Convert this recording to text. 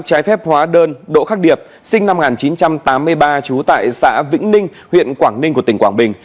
trái phép hóa đơn đỗ khắc điệp sinh năm một nghìn chín trăm tám mươi ba trú tại xã vĩnh ninh huyện quảng ninh của tỉnh quảng bình